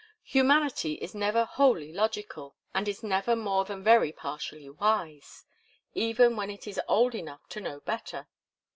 Humanity is never wholly logical, and is never more than very partially wise, even when it is old enough to 'know better.